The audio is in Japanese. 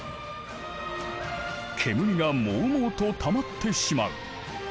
煙がもうもうとたまってしまう。